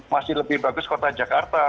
masih lebih bagus kota jakarta